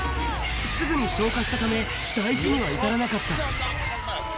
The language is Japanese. すぐに消火したため、大事には至らなかった。